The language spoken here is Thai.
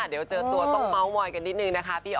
เดี๋ยวเจอตัวต้องเมาส์มอยกันนิดนึงนะคะพี่อ